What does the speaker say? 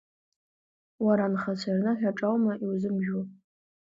Уара, анхацәа рныҳәаҿа аума иузымжәуа?!